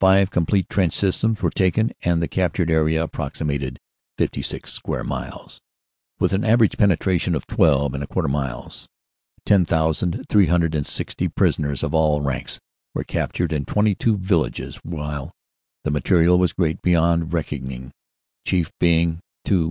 Five complete trench systems were taken and the captured area approximated 56 square miles, with an average penetration of twelve and a quarter miles. Ten thousand, three hundred and sixty prisoners of all ranks were captured and 22 villages, while the material was great beyond reckoning, chief being two 4.